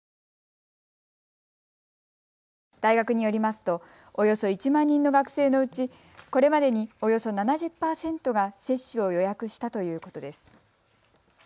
大学によりますと、およそ１万人の学生のうち、これまでにおよそ７０％が接種を予約したということです。